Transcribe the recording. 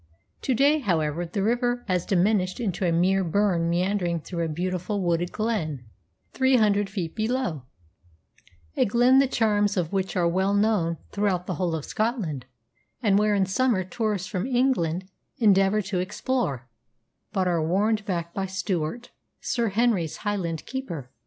To day, however, the river has diminished into a mere burn meandering through a beautiful wooded glen three hundred feet below, a glen the charms of which are well known throughout the whole of Scotland, and where in summer tourists from England endeavour to explore, but are warned back by Stewart, Sir Henry's Highland keeper.